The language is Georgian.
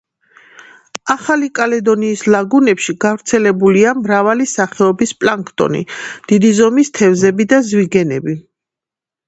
ახალი კალედონიის ლაგუნებში გავრცელებულია მრავალი სახეობის პლანქტონი, დიდი ზომის თევზები და ზვიგენები.